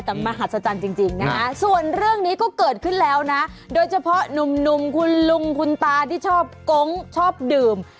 แต่มหัศจรรย์จริงนะฮะส่วนเรื่องนี้ก็เกิดขึ้นแล้วนะโดยเฉพาะหนุ่มคุณลุงคุณตาที่ชอบโก๊งชอบดื่ม